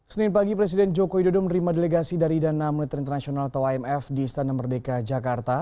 senin pagi presiden joko widodo menerima delegasi dari dana militer internasional atau imf di istana merdeka jakarta